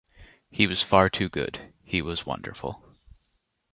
He was far too good, he was wonderful.